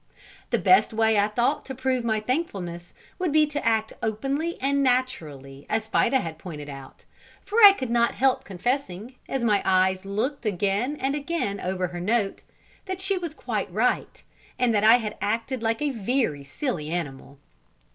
The best way I thought to prove my thankfulness would be to act openly and naturally as Fida had pointed out, for I could not help confessing, as my eyes looked again and again over her note, that she was quite right, and that I had acted like a very silly animal.